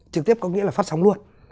trực tiếp có nghĩa là phát sóng luôn